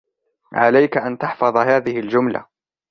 عليك أن تحفظ هذه الجملة.